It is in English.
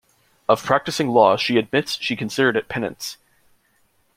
Of practicing law, she admits she considered it penance.